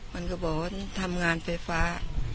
มันก็บอกว่าทำงานไฟฟ้า